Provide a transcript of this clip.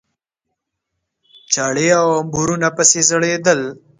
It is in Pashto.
چاړې او امبورونه پسې ځړېدل.